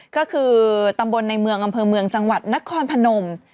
ก็คือตำบลในเมืองอำเภอเมืองจังหวัดนครพนม